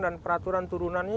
dan peraturan turunannya